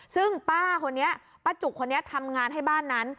ซึ่งป้าคนนี้ป้าจุกคนนี้ทำงานให้บ้านนั้น